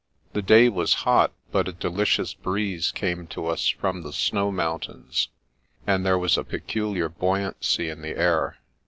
The day was hot, but a delicious breeze came to us from the snow mountains, and there was a peculiar buoyancy in the air.